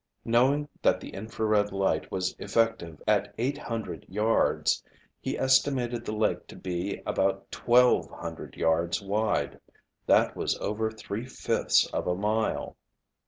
Knowing that the infrared light was effective at eight hundred yards, he estimated the lake to be about twelve hundred yards wide. That was over three fifths of a mile.